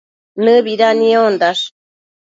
Nëbida niondash